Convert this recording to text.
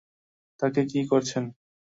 তাকে কী করেছেন?